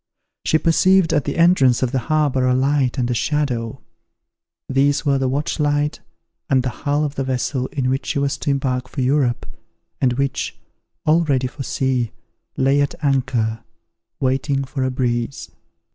She perceived at the entrance of the harbour a light and a shadow; these were the watchlight and the hull of the vessel in which she was to embark for Europe, and which, all ready for sea, lay at anchor, waiting for a breeze.